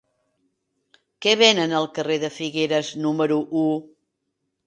Què venen al carrer de Figueres número u?